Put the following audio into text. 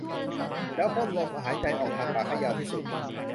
แล้วพ่นลมหายใจออกทางปากให้ยาวที่สุด